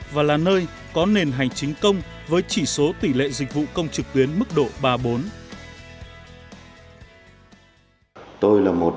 và là nơi có nền hành chính công với chỉ số tỷ lệ dịch vụ công trực tuyến mức độ ba bốn